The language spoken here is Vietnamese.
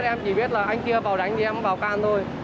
em chỉ biết là anh kia vào đánh thì em vào can thôi